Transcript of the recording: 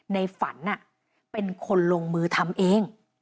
ในฝันเป็นคนลงมือทำเอง